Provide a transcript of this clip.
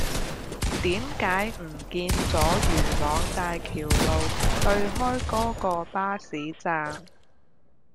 點解唔見左元朗大橋路對開嗰個巴士站